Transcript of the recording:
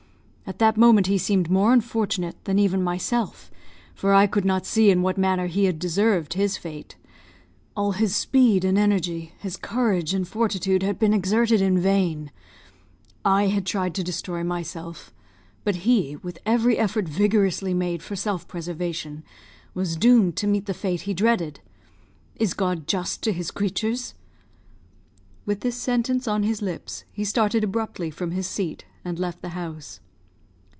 At that moment he seemed more unfortunate than even myself, for I could not see in what manner he had deserved his fate. All his speed and energy, his courage and fortitude, had been exerted in vain. I had tried to destroy myself; but he, with every effort vigorously made for self preservation, was doomed to meet the fate he dreaded! Is God just to his creatures?" With this sentence on his lips, he started abruptly from his seat, and left the house.